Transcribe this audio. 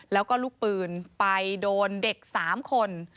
แล้วก็ลูกปืนไปโดนเด็ก๓คน